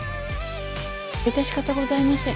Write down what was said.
致し方ございませぬ。